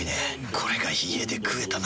これが家で食えたなら。